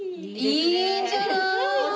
いいんじゃない？